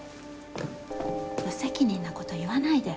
無責任な事言わないで。